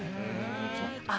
あっ、